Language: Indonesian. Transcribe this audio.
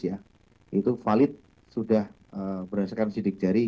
itu valid sudah berdasarkan sidik jari